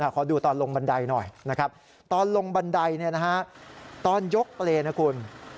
ขอดูตอนลงบันไดหน่อยตอนลงบันไดตอนยกเลน่ะคุณ